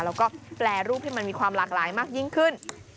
แล้วก็แปรรูปให้มันมีความหลากหลายมากยิ่งขึ้น